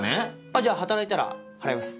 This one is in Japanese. じゃあ働いたら払います。